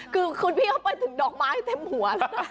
คือคุณพี่เขาไปถึงดอกไม้เต็มหัวแล้วนะ